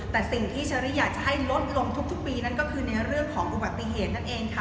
แต่สิ่งที่เชอรี่อยากจะให้ลดลงทุกปีนั่นก็คือในเรื่องของอุบัติเหตุนั่นเองค่ะ